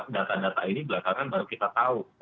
data data ini belakangan baru kita tahu